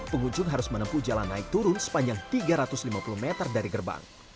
pengunjung harus menempuh jalan naik turun sepanjang tiga ratus lima puluh meter dari gerbang